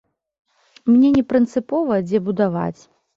Мне не прынцыпова, дзе будаваць.